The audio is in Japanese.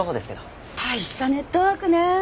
大したネットワークね。